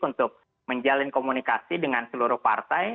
untuk menjalin komunikasi dengan seluruh partai